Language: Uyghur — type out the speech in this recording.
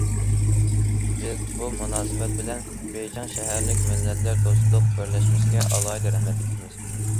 بىز بۇ مۇناسىۋەت بىلەن بېيجىڭ شەھەرلىك مىللەتلەر دوستلۇق بىرلەشمىسىگە ئالاھىدە رەھمەت ئېيتىمىز.